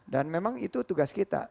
dan memang itu tugas kita